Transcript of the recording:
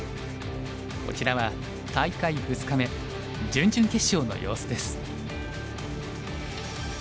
こちらは大会２日目準々決勝の様子です。